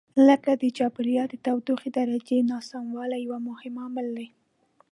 لکه د چاپېریال د تودوخې درجې ناسموالی یو مهم عامل دی.